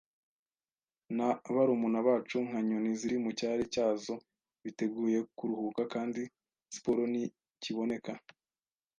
na barumuna bacu Nka nyoni ziri mu cyari cyazo Biteguye kuruhuka Kandi siporo ntikiboneka